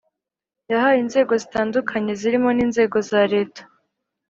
Yahaye inzego zitandukanye zirimo n inzego za leta